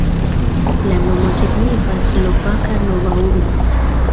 La nomo signifas Slovaka Nova Urbo.